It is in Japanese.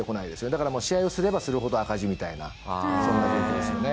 だからもう試合をすればするほど赤字みたいなそんな状況ですよね。